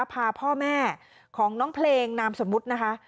พาพ่อแม่ของน้องเพลงนามสมมุตินะคะ